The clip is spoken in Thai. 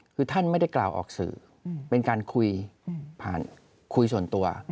คือท่านไม่ได้กล่าวออกสื่อเป็นการคุยผ่านคุยส่วนตัว